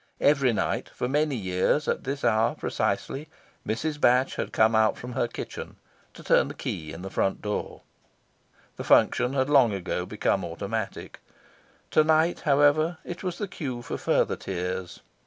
Every night, for many years, at this hour precisely, Mrs. Batch had come out from her kitchen, to turn the key in the front door. The function had long ago become automatic. To night, however, it was the cue for further tears.